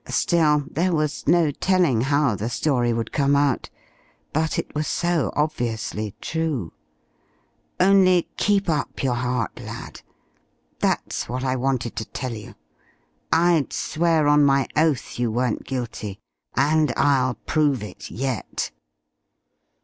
Still, there was no telling how the story would come out. But it was so obviously true.... Only, keep up your heart, lad; that's what I wanted to tell you. I'd swear on my oath you weren't guilty. And I'll prove it yet!"